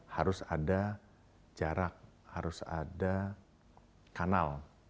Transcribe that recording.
harus ada jarak harus ada kanal